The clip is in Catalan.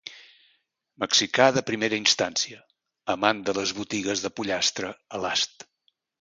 Mexicà de primera instància, amant de les botigues de pollastres a l'ast.